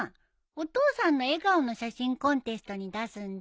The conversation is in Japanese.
「お父さんの笑顔の写真コンテスト」に出すんだ。